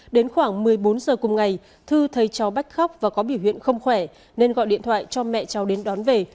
đến khoảng một mươi bốn giờ cùng ngày thư thấy cháu bách khóc và có biểu hiện không khỏe nên gọi điện thoại cho mẹ cháu đến đón về